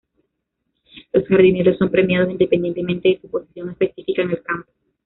Los jardineros son premiados independientemente de su posición específica en el campo.